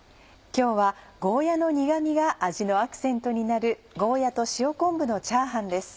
今日はゴーヤの苦味が味のアクセントになる「ゴーヤと塩昆布のチャーハン」です。